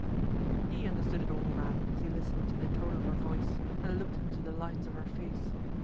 He understood it all now as he listened to the tone of her voice, and looked into the lines of her face.